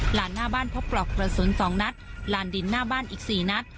หลานหน้าบ้านพบปลอกกระสุนสองนัดหลานดินหน้าบ้านอีกสี่นัด